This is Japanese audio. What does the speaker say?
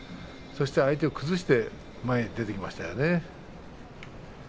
相手を崩して前に出ていきましたね。